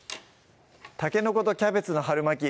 「たけのことキャベツの春巻き」